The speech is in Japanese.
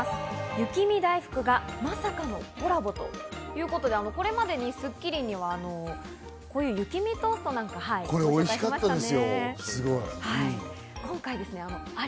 雪見だいふくがまさかのコラボ？ということで、これまで『スッキリ』では雪見トーストなんかをご紹介しましたね。